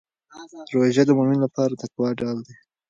روژه د مؤمن لپاره د تقوا ډال دی.